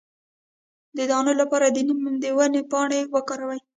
د دانو لپاره د نیم د ونې پاڼې وکاروئ